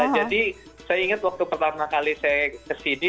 jadi saya ingat waktu pertama kali saya kesini